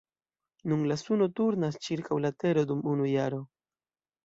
Nun la suno turnas ĉirkaŭ la tero dum unu jaro.